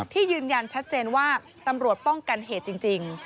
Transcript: ยืนยันชัดเจนว่าตำรวจป้องกันเหตุจริง